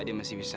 dia masih bisa